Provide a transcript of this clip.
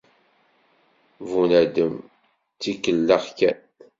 Bunadem, d tikellax kan.